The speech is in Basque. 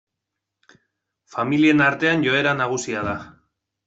Familien artean joera nagusia da.